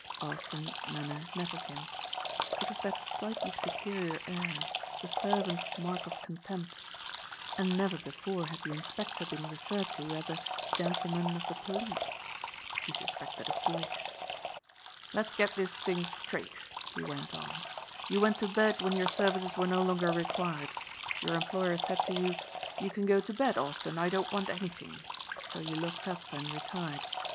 Austin's manner nettled him. It was that slightly superior air, the servants' mark of contempt. And never before had the inspector been referred to as "a gentleman of the police;" he suspected a slight. "Let's get this thing straight," he went on. "You went to bed when your services were no longer required. Your employer said to you, 'You can go to bed, Austin, I don't want anything,' so you locked up and retired.